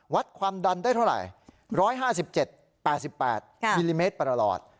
วัดความดันได้เท่าไหร่๑๕๗๘๘มิลลิเมตรประหลอด